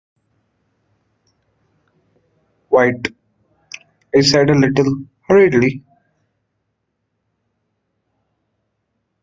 "Quite," I said, a little hurriedly.